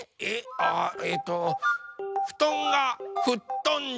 ああええとふとんがふっとんだ！